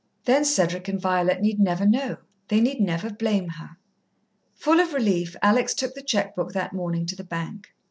Then Cedric and Violet need never know. They need never blame her. Full of relief, Alex took the cheque book that morning to the bank.